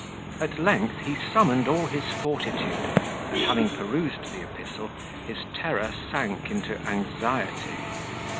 At length he summoned all his fortitude, and having perused the epistle, his terror sank into anxiety.